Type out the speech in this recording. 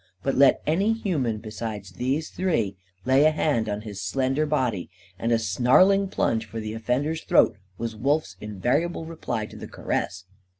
But let any human, besides these three, lay a hand on his slender body, and a snarling plunge for the offender's throat was Wolf's invariable reply to the caress.